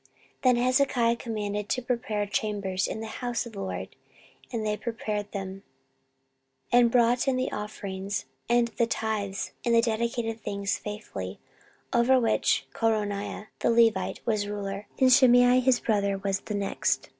14:031:011 Then Hezekiah commanded to prepare chambers in the house of the LORD; and they prepared them, 14:031:012 And brought in the offerings and the tithes and the dedicated things faithfully: over which Cononiah the Levite was ruler, and Shimei his brother was the next.